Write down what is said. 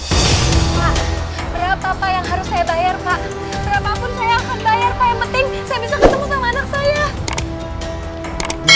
pak berapa pak yang harus saya bayar pak berapa pun saya akan bayar pak